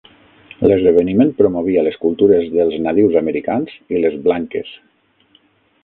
L'esdeveniment promovia les cultures dels nadius americans i les "Blanques".